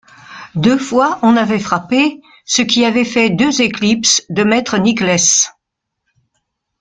Deux fois on avait frappé, ce qui avait fait deux éclipses de maître Nicless.